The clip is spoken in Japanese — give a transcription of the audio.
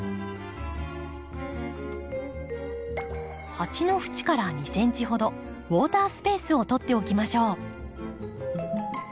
鉢の縁から２ｃｍほどウォータースペースをとっておきましょう。